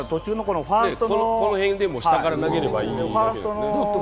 この辺で下から投げればいいんだけど。